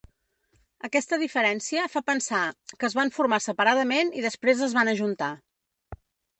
Aquesta diferència fa pensar que es van formar separadament i després es van ajuntar.